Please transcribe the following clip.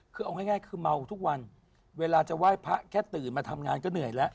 คือเอาง่ายคือเมาทุกวันเวลาจะไหว้พระแค่ตื่นมาทำงานก็เหนื่อยแล้ว